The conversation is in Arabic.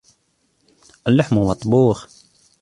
اللحم مطبوخ.